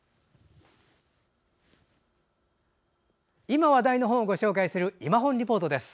今話題の本をご紹介する「いまほんリポート」です。